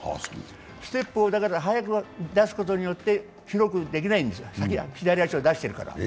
ステップを早く出すことによって広くできないんですよ、先に左足を出しているから。